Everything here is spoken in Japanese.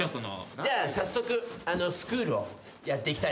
じゃあ早速スクールをやっていきたいと思います。